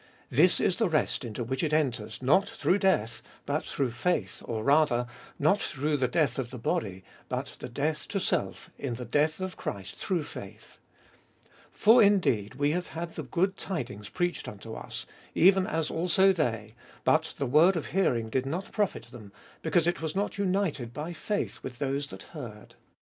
This is the rest into which it enters, not through death, but through faith, or rather, not through the death of the body, but the death to self in the death of Christ through faith. For indeed we have had good tidings preached unto us, even as also they : but the word of hearing did not profit them, because it was not united by faith with those that heard.